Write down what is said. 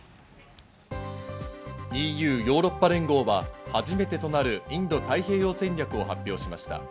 ＥＵ＝ヨーロッパ連合は、初めてとなるインド太平洋戦略を発表しました。